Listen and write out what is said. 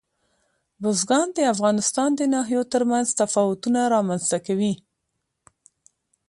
بزګان د افغانستان د ناحیو ترمنځ تفاوتونه رامنځته کوي.